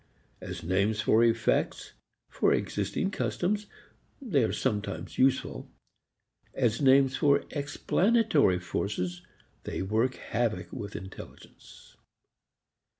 As names for effects, for existing customs, they are sometimes useful. As names for explanatory forces they work havoc with intelligence.